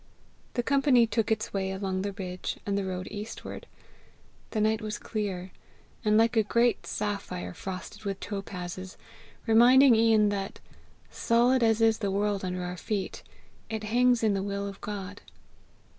The company took its way along the ridge, and the road eastward. The night was clear, and like a great sapphire frosted with topazes reminding Ian that, solid as is the world under our feet, it hangs in the will of God.